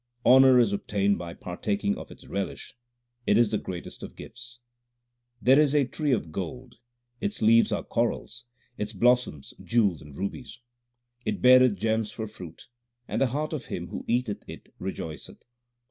Honour is obtained by partaking of its relish ; it is the greatest of gifts. There is a tree of gold ; its leaves are corals ; its blossoms, jewels and rubies. It beareth gems for fruit, and the heart of him who eateth it rejoiceth.